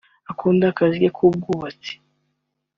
ukunda akazi ke k’ubwubatsi